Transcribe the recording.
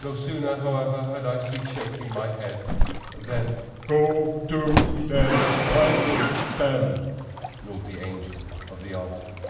No sooner, however, had I ceased shaking my head than— "Go to der teuffel, ten!" roared the Angel of the Odd.